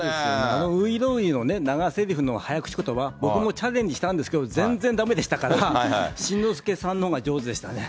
あの外郎売の長せりふの早口ことば、僕もチャレンジしたんですけど、全然だめでしたから、新之助さんのほうが上手でしたね。